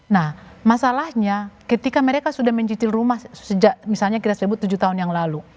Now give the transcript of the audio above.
nah masalahnya ketika mereka sudah mencicil rumah sejak misalnya kita sebut tujuh tahun yang lalu